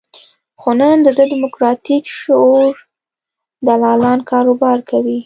خو نن د ده د دیموکراتیک شعور دلالان کاروبار کوي.